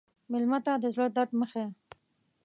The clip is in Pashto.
مېلمه ته د زړه درد مه ښیې.